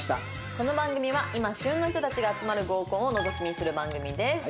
この番組は今旬の人たちが集まる合コンをのぞき見する番組です。